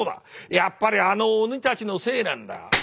やっぱりあの鬼たちのせいなんだ。